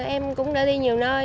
em cũng đã đi nhiều nơi